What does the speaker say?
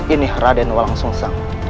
ini raden walang sungsang